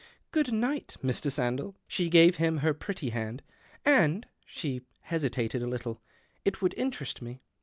Good niorht, ILv. Sandell." She gave him her pretty and. " And "— she hesitated a little —" it /■ould interest me."